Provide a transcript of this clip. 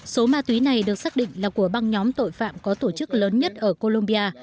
số ma túy này được xác định là của băng nhóm tội phạm có tổ chức lớn nhất ở colombia